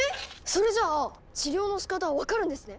それじゃあ治療のしかた分かるんですね？